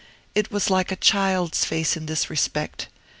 It was like a child's face in this respect.